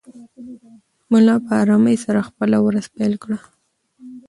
ملا په ارامۍ سره خپله ورځ پیل کړه.